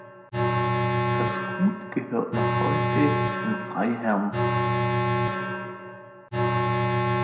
Das Gut gehört noch heute den Freiherren von Münchhausen.